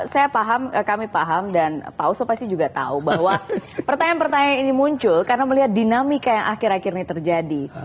saya paham kami paham dan pak oso pasti juga tahu bahwa pertanyaan pertanyaan ini muncul karena melihat dinamika yang akhir akhir ini terjadi